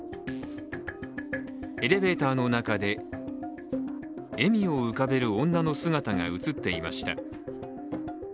エレベーターの中で笑みを浮かべる女の姿が映っていました。